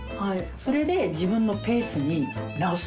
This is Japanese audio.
それで自分のペースに直す。